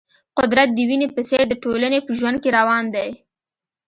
قدرت د وینې په څېر د ټولنې په ژوند کې روان دی.